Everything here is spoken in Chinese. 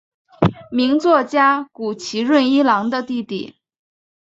名作家谷崎润一郎的弟弟。